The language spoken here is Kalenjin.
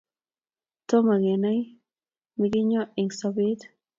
tomo kenai mekenyo eng' sobet